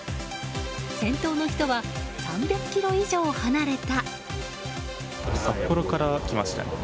先頭の人は３００ｋｍ以上離れた。